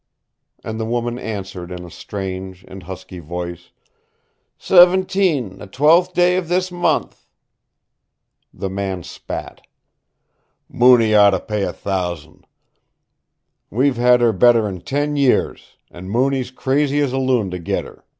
And the woman answered in a strange and husky voice. "Seventeen the twelfth day of this month." The man spat. "Mooney ought to pay a thousand. We've had her better'n ten years an' Mooney's crazy as a loon to git her.